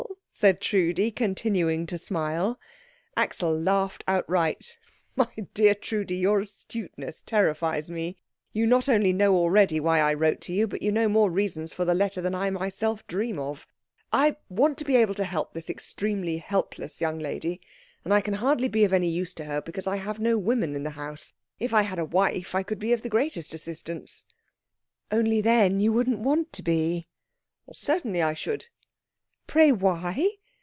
said Trudi, continuing to smile. Axel laughed outright. "My dear Trudi, your astuteness terrifies me. You not only know already why I wrote to you, but you know more reasons for the letter than I myself dream of. I want to be able to help this extremely helpless young lady, and I can hardly be of any use to her because I have no woman in the house. If I had a wife I could be of the greatest assistance." "Only then you wouldn't want to be." "Certainly I should." "Pray, why?"